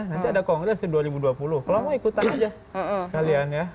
nanti ada kongres di dua ribu dua puluh kalau mau ikutan aja sekalian ya